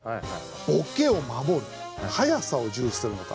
ボケを守る速さを重視するのか。